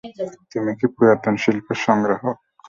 তুমি কি পুরাতন শিল্পের সসংগ্রাহক?